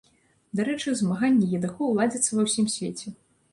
Дарэчы, змаганні едакоў ладзяцца ва ўсім свеце.